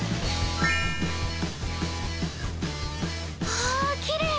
わあきれい。